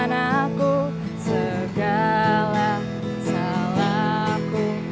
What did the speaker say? nah aku bahkan ga tahu